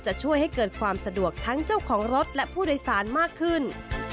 จะช่วยให้เกิดความสะดวกทั้งเจ้าของรถและผู้โดยสารมากขึ้น